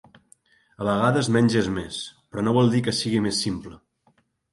A vegades menys és més, però no vol dir que sigui més simple.